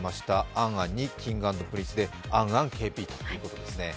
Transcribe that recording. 「ａｎ・ａｎ」にＫｉｎｇ＆ＰｒｉｎｃｅでａｎａｎＫＰということですね。